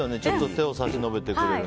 手を差し伸べてくれる。